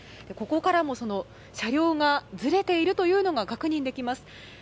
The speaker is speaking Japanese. ここからも車両がずれているのが確認できます。